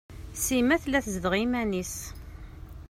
Sima tella tezdeɣ iman-is.